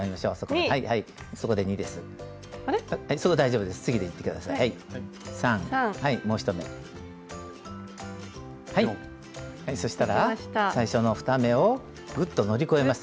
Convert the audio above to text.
はいそしたら最初の２目をぐっと乗り越えます。